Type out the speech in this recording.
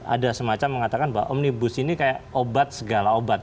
ada semacam mengatakan bahwa omnibus ini kayak obat segala obat